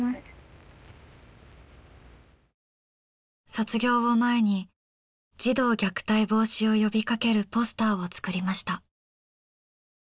卒業を前に児童虐待防止を呼びかけるポスターを作りました。